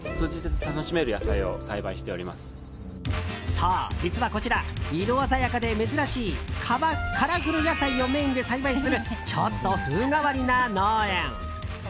そう、実はこちら色鮮やかで珍しいカラフル野菜をメインで栽培するちょっと風変わりな農園。